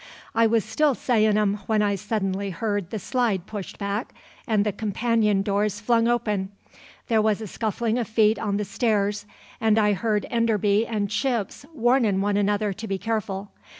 "I was still sayin' 'em when I suddenly heard the slide pushed back and the companion doors flung open; there was a scuffling of feet on the stairs, and I heard Enderby and Chips warnin' one another to be careful.